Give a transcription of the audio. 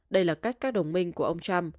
đây là cách các đồng minh của ông trump